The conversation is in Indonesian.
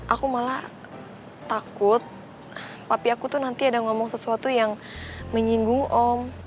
aku malah takut tapi aku tuh nanti ada ngomong sesuatu yang menyinggung om